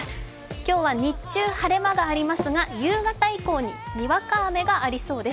今日は日中晴れ間がありますが、夕方以降ににわか雨がありそうです。